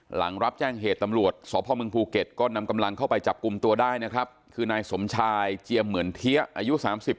หลังรับแจ้งเหตุตำรวจสพมภูเก็ตก็นำกำลังเข้าไปจับกลุ่มตัวได้นะครับคือนายสมชายเจียมเหมือนเทียอายุ๓๐